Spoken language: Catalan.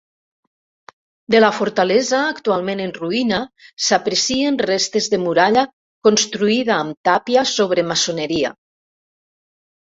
De la fortalesa, actualment en ruïna, s'aprecien restes de muralla construïda amb tàpia sobre maçoneria.